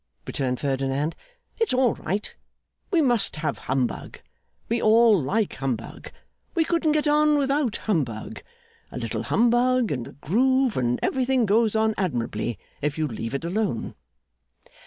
returned Ferdinand. 'It's all right. We must have humbug, we all like humbug, we couldn't get on without humbug. A little humbug, and a groove, and everything goes on admirably, if you leave it alone.